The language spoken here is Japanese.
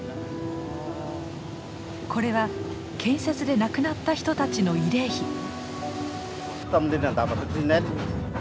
これは建設で亡くなった人たちの慰霊碑。